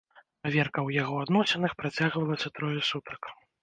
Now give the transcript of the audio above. Праверка ў яго адносінах працягвалася трое сутак.